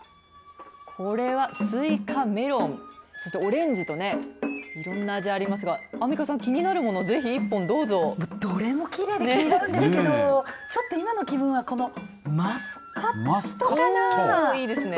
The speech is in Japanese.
これはスイカ、メロンそしてオレンジとねいろんな味ありますがアンミカさん気になるものどれもきれいで気になるんですけどちょっと今の気分はいいですね。